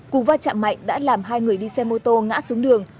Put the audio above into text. cú va chạm mạnh đã làm hai người đi xe mô tô ngã xuống đường